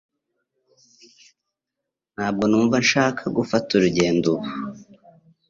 Ntabwo numva nshaka gufata urugendo ubu.